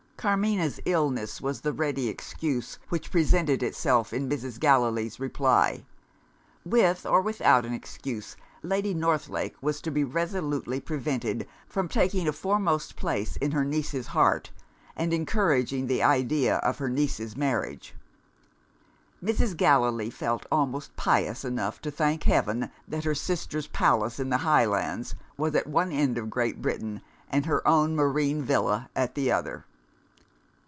Carmina's illness was the ready excuse which presented itself in Mrs. Gallilee's reply. With or without an excuse, Lady Northlake was to be resolutely prevented from taking a foremost place in her niece's heart, and encouraging the idea of her niece's marriage. Mrs. Gallilee felt almost pious enough to thank Heaven that her sister's palace in the Highlands was at one end of Great Britain, and her own marine villa at the other!